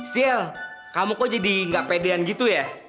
sil kamu kok jadi gak pedean gitu ya